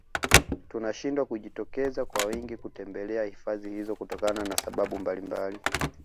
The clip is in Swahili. Tunashindwa kujitokeza kwa wingi kutembelea hifadhi hizo kutokana na sababu mbalimbali